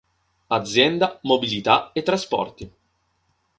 Azienda Mobilità e Trasporti